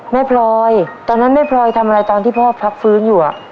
พลอยตอนนั้นแม่พลอยทำอะไรตอนที่พ่อพักฟื้นอยู่